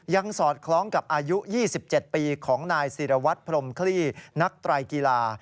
สอดคล้องกับอายุ๒๗ปีของนายศิรวัตรพรมคลี่นักไตรกีฬา